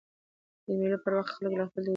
د مېلو پر وخت خلک خپل دودیز خواړه شریکوي.